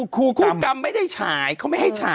ลัมพงใช่ค่ะ